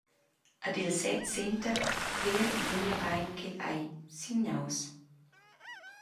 Ed el sez senta pér memia bein ch’el ei signaus.